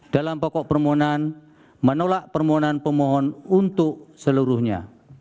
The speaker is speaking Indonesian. dalam pokok permohonan menolak permohonan pemohon untuk seluruhnya